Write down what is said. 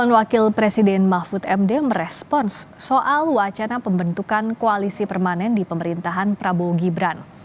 calon wakil presiden mahfud md merespons soal wacana pembentukan koalisi permanen di pemerintahan prabowo gibran